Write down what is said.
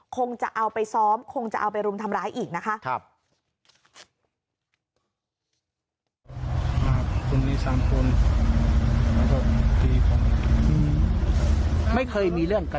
คงจะเอาไปซ้อมคงจะเอาไปรุมทำร้ายอีกนะคะ